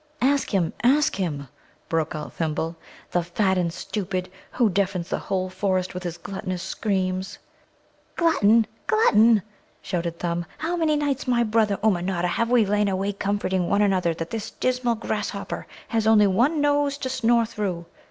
"Ask him, ask him!" broke out Thimble, "the fat and stupid, who deafens the whole forest with his gluttonous screams." "'Glutton, glutton!'" shouted Thumb. "How many nights, my brother Ummanodda, have we lain awake comforting one another that this dismal grasshopper has only one nose to snore through!